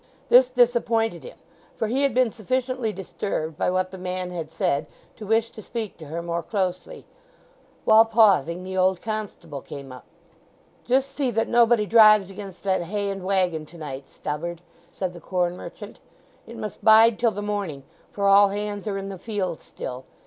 This disappointed him, for he had been sufficiently disturbed by what the man had said to wish to speak to her more closely. While pausing the old constable came up. "Just see that nobody drives against that hay and waggon to night, Stubberd," said the corn merchant. "It must bide till the morning, for all hands are in the field still.